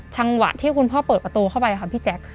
จังหวะที่คุณพ่อเปิดประตูเข้าไปค่ะพี่แจ๊ค